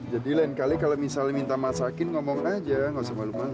lain kali kalau misalnya minta masakin ngomong aja gak usah malu malu